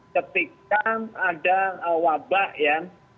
ketika ada wabah ya